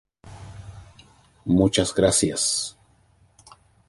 Muchas gracias.